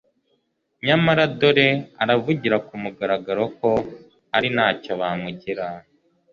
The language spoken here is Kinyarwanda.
Nyamara dore aravugira ku mugaragaro, ko ari ntacyo bamugira?